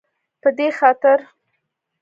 په دې خاطر